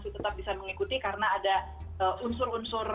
jadi yang dewasa juga masih tetap bisa mengikuti karena ada unsur unsur yang cukup mecut